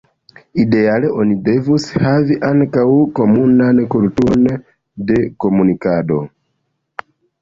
Ideale oni devus havi ankaŭ komunan kulturon de komunikado.